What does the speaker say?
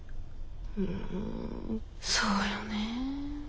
うんそうよね。